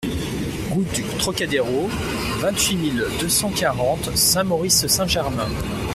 Route du Trocadéro, vingt-huit mille deux cent quarante Saint-Maurice-Saint-Germain